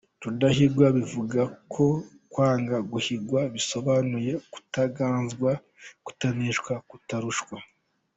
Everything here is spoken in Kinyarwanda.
Rudahigwa biva ku kwanga guhigwa bisobanuye kutaganzwa, kutaneshwa, kutarushwa.